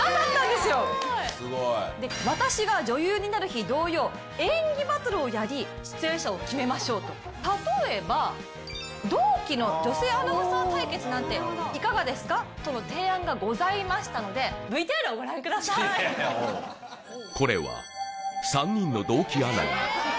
すごいすごい「私が女優になる日」同様演技バトルをやり出演者を決めましょうと例えば同期の女性アナウンサー対決なんていかがですかとの提案がございましたのでこれは子供の頃に学芸会でおばあちゃん役をやったんですよ